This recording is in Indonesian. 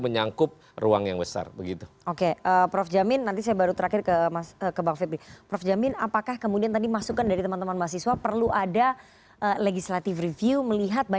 menyangkut ruang yang besar begitu oke prof jamin nanti saya baru terakhir ke mas kebangsa prof jamin